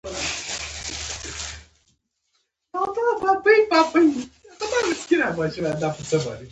رومي بانجان په بغلان کې کیږي